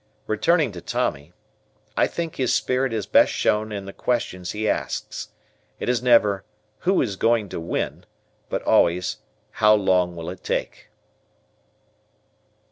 Returning to Tommy, I think his spirit is best shown in the questions he asks. It is never "who is going to win" but always "how long will it take?"